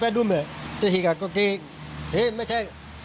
เพราะที่ยังมีกระโหลกศีรษะด้วย